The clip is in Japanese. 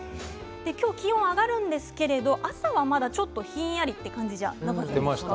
今日は気温が上がるんですけれど朝は、まだちょっとひんやりという感じではなかったですか？